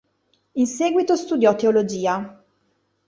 In seguito studiò teologia.